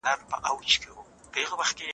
دا مطالعه په یوه ځانګړي وخت کې کیږي.